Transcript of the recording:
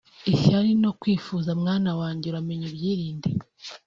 ishyari no kwifuza mwana wanjye uramenye (ubyirinde)